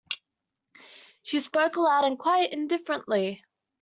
She spoke aloud and quite indifferently.